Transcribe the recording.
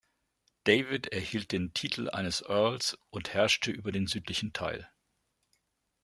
David erhielt den Titel eines Earls und herrschte über den südlichen Teil.